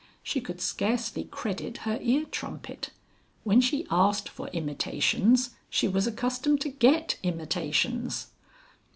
She could scarcely credit her ear trumpet. When she asked for Imitations she was accustomed to get Imitations.